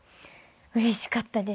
うれしかったです。